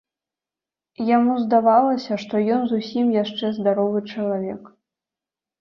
Яму здавалася, што ён зусім яшчэ здаровы чалавек.